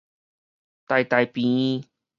台大病院